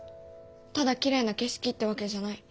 ただきれいな景色ってわけじゃない。